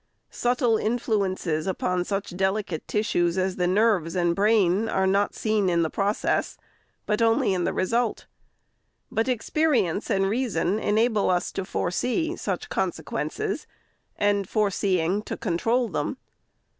Subtile influences upon such delicate tissues as the nerves and brain are not seen in the process, but only in the result. But experience and reason enable us to foresee such con sequences, and, foreseeing, to"control them.